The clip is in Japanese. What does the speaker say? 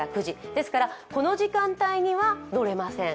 ですからこの時間帯には乗れません。